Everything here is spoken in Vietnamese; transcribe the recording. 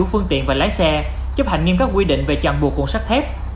từ khu phương tiện và lái xe chấp hành nghiêm cấp quy định về chặn buộc cuồng sắt thép